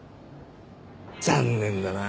残念だなあ。